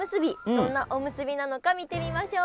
どんなおむすびなのか見てみましょう。